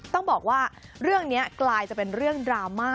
ต้องบอกว่าเรื่องนี้กลายจะเป็นเรื่องดราม่า